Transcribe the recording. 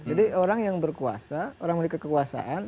jadi orang yang berkuasa orang yang memiliki kekuasaan